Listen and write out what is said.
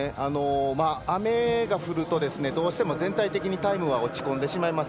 雨が降るとどうしても全体的にタイムは落ち込んでしまいます。